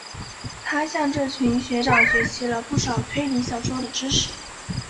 他向这群学长学习了不少推理小说的知识。